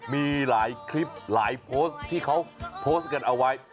มีหลายคลิปหลายโพสต์ที่เขาโพสต์กันเอาไว้